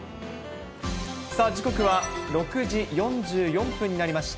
時刻は６時４４分になりました。